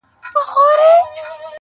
رنګ په وینو سره چاړه یې هم تر ملا وه.!